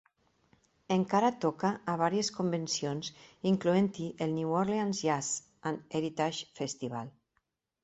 Encara toca a varies convencions, incloent-hi el New Orleans Jazz and Heritage Festival.